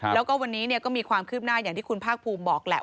แล้วก็วันนี้ก็มีความคืบหน้าอย่างที่คุณภาคภูมิบอกแหละ